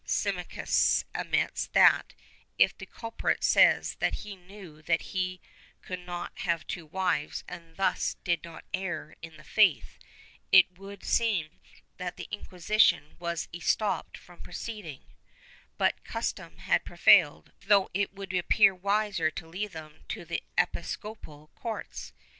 Simancas admits that, if the culprit says that he knew that he could not have two wives and thus did not err in the faith, it would seem that the Inquisition was estopped from proceeding, but cus tom has prevailed, though it would appear wiser to leave them to the episcopal courts.